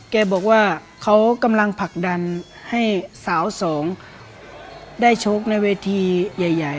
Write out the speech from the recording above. แกบอกว่าเขากำลังผลักดันให้สาวสองได้ชกในเวทีใหญ่